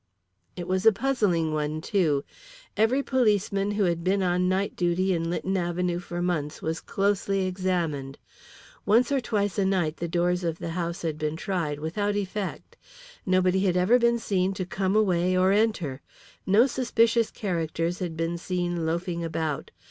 It was a puzzling one, too. Every policeman who had been on night duty in Lytton Avenue for months was closely examined. Once or twice a night the doors of the house had been tried without effect. Nobody had ever been seen to come away or enter. No suspicious characters had been seen loafing about.